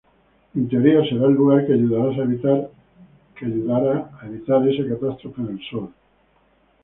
En teoría, será el lugar que ayudará a evitar esa catástrofe del sol.